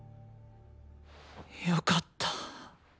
よかった。